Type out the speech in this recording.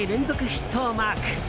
ヒットをマーク。